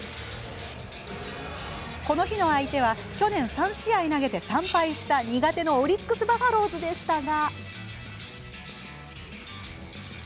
この日の相手は去年３試合投げて３敗した苦手のオリックス・バファローズでしたが。